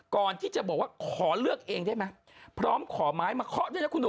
ก่อนที่จะบอกว่าขอเลือกเองได้ไหมพร้อมขอไม้มาเคาะด้วยนะคุณหนุ่ม